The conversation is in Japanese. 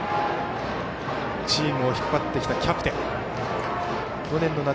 チームを引っ張ってきたキャプテン。